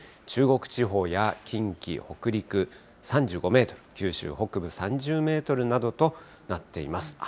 中国地方や近畿、北陸、３５メートル、九州北部３０メートルなどとなっています。